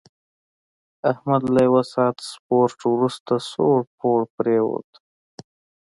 احمد له یوه ساعت سپورت ورسته سوړ پوړ پرېوت.